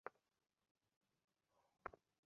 অশ্বারোহীদ্বয় মরুচক্রের শিকার হয়।